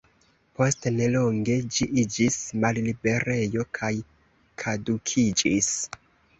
Post nelonge ĝi iĝis malliberejo kaj kadukiĝis.